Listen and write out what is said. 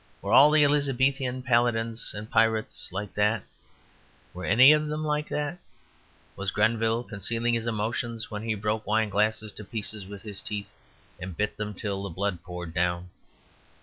Were all the Elizabethan palladins and pirates like that? Were any of them like that? Was Grenville concealing his emotions when he broke wine glasses to pieces with his teeth and bit them till the blood poured down?